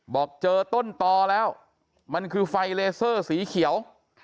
บอกเจอต้นตอแล้วมันคือไฟเลเซอร์สีเขียว